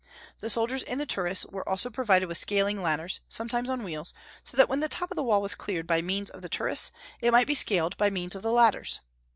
The soldiers in the turris were also provided with scaling ladders, sometimes on wheels; so that when the top of the wall was cleared by means of the turris, it might be scaled by means of the ladders.